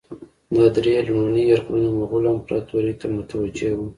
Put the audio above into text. ده درې لومړني یرغلونه مغولو امپراطوري ته متوجه وه.